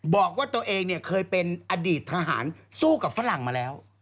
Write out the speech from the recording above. บอกว่าตัวเองเนี่ยเคยเป็นอดีตทหารสู้กับฝรั่งมาแล้ว